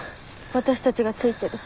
私たちがついてる。